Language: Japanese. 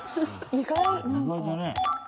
意外だね。